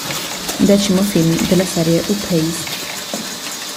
Decimo film della serie "Who Pays?